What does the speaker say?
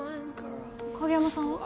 影山さんは？